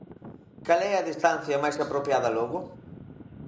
Cal é a distancia máis apropiada logo?